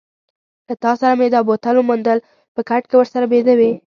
له تا سره مې دا بوتل وموندل، په کټ کې ورسره بیده وې.